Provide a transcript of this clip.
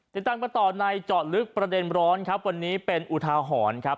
ติดตามกันต่อในเจาะลึกประเด็นร้อนครับวันนี้เป็นอุทาหรณ์ครับ